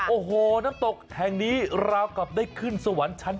โอ้โหน้ำตกแห่งนี้ราวกลับได้ขึ้นสวรรค์ชั้น๓